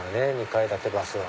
２階建てバスは。